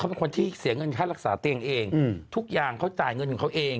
เป็นคนที่เสียเงินค่ารักษาเตียงเองทุกอย่างเขาจ่ายเงินของเขาเอง